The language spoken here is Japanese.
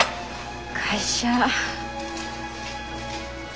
会社。